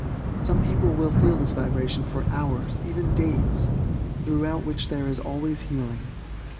Some people will feel this vibration for hours, even days, throughout which there is always healing.